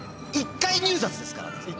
１回入札ですからね。